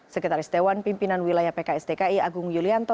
sekretaris dewan pimpinan wilayah pks dki agung yulianto